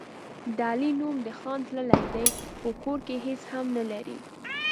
د علي نوم د خان تللی دی، خو کور کې هېڅ هم نه لري.